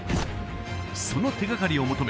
その手がかりを求め